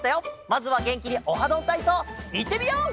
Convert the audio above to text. まずはげんきに「オハどんたいそう」いってみよう！